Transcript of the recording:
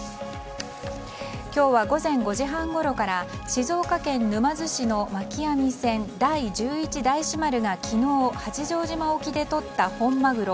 今日は午前５時半ごろから静岡県沼津市の巻き網船、「第１１大師丸」が昨日、八丈島沖でとった本マグロ